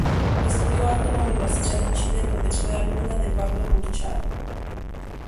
Estudió arte en la Universidad de Chile donde fue alumna de Pablo Burchard.